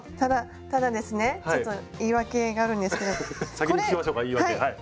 先に聞きましょうか言い訳はい。